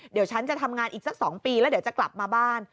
เดี๋ยวฉันจะทำงานอีกสัก๒ปีแล้วเดี๋ยวจะกลับมาบ้าน